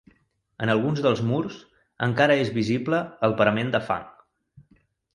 En alguns dels murs encara és visible el parament de fang.